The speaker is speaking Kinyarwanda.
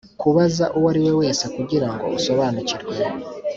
Kubaza uwo ari we wese kugira ngo usobanukirwe